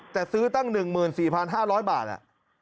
แต่ซื้อตั้ง๑๔๕๐๐บาท